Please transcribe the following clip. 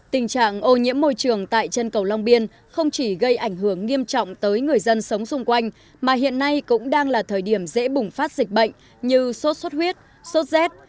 tình trạng ô nhiễm môi trường tại chân cầu long biên không chỉ gây ảnh hưởng nghiêm trọng tới người dân sống xung quanh mà hiện nay cũng đang là thời điểm dễ bùng phát dịch bệnh như sốt xuất huyết sốt rét